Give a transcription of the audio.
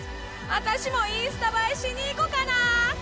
私もインスタ映えしに行こかな！